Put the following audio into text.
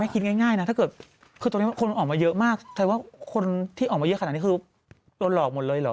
คนที่ออกมาเยอะขนาดนี้คือโดนหลอกหมดเลยเหรอ